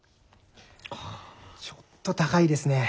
ちょっと高いですね。